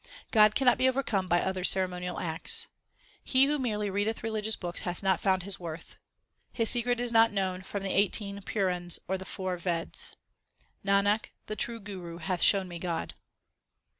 2 God cannot be overcome by other ceremonial acts. He who merely readeth religious books hath not found His worth. His secret is not known from the eighteen Purans or the four Veds. Nanak, the true Guru hath shown me God.